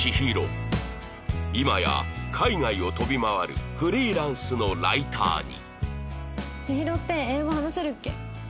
今や海外を飛び回るフリーランスのライターに